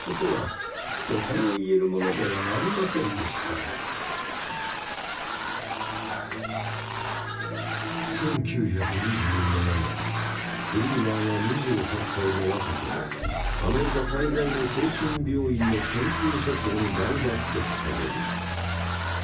精神医療に詳しいトロント大学の１９２４年フリーマンは２８歳の若さでアメリカ最大の精神病院の研究所長に大抜てきされる。